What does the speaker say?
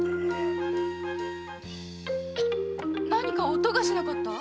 何か音がしなかった？